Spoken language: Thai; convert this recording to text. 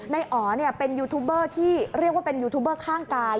อ๋อเป็นยูทูบเบอร์ที่เรียกว่าเป็นยูทูบเบอร์ข้างกาย